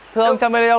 thưa ông cha mê đeo